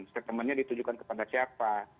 statementnya ditujukan kepada siapa